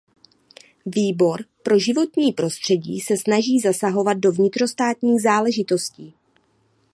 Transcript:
Výbor pro životní prostřední se snaží zasahovat do vnitrostátních záležitostí.